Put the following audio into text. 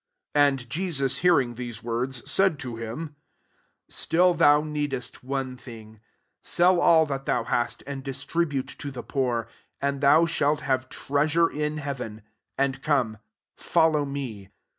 £2 And Jesus hearing these words, said to him, " Still thou oeedest one thing : sell all that thou hast, and distribute to the poor; and thou shalt have treasure in heaven : and come, fellow me."